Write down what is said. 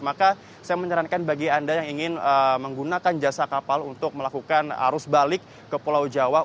maka saya menyarankan bagi anda yang ingin menggunakan jasa kapal untuk melakukan arus balik ke pulau jawa